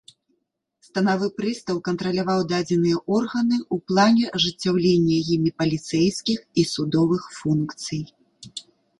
Станавы прыстаў кантраляваў дадзеныя органы ў плане ажыццяўлення імі паліцэйскіх і судовых функцый.